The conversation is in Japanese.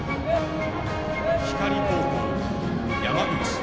光高校・山口。